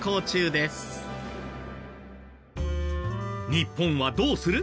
日本はどうする？